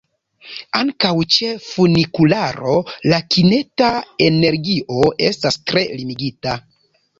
Ankaŭ ĉe funikularo la kineta energio estas tre limigita.